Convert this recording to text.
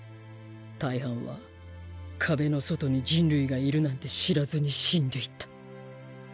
大半は壁の外に人類がいるなんて知らずに死んでいった。